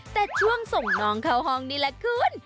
แต่ช่วงส่งน้องเข้าห้องนี่แหละคุณ